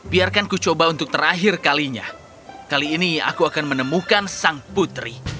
biarkan ku coba untuk terakhir kalinya kali ini aku akan menemukan sang putri